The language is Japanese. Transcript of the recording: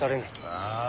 ああ。